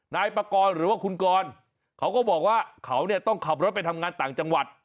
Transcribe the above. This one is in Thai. นายปากรหรือว่าคุณกรเขาก็บอกว่าเขาเนี่ยต้องขับรถไปทำงานต่างจังหวัด